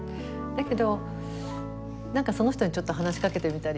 だけど何かその人にちょっと話しかけてみたりね。